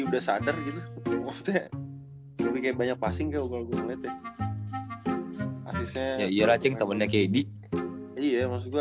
udah sadar gitu kayak banyak pas enggak ya iya racing temennya kayak di iya maksud gue